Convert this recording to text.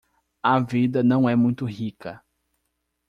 A vida não é muito rica